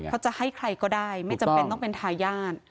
เขาจะให้ใครก็ได้ไม่จำเป็นต้องเป็นทายาท